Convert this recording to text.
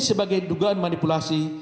sebagai dugaan manipulasi